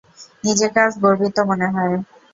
নিজেকে আজ গর্বিত মনে হয়।